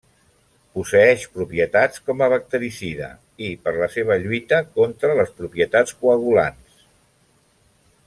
Posseeix propietats com a bactericida, i per la seva lluita contra les propietats coagulants.